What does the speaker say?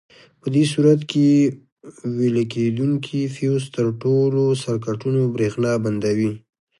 په دې صورت کې ویلې کېدونکي فیوز پر ټولو سرکټونو برېښنا بندوي.